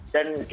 dan kita buka